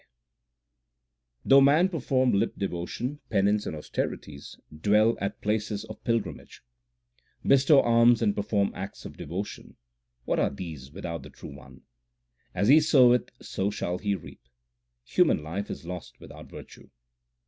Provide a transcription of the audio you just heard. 270 THE SIKH RELIGION Though man perform lip devotion, penance, and austeri ties, dwell at places of pilgrimage, Bestow alms and perform acts of devotion, what are these without the True One ? As he soweth so shall he reap ; human life is lost without virtue.